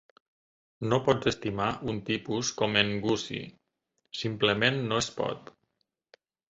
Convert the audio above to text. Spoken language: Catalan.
No pots estimar un tipus com en Gussie. Simplement no es pot.